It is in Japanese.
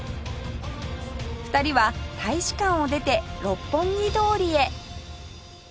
２人は大使館を出て六本木通りへ